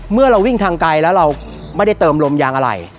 เมื่อเราวิ่งทางไกลแล้วเราไม่ได้เติมลมยางอะไร